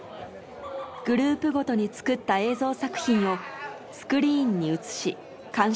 グループごとに作った映像作品をスクリーンに映し鑑賞します。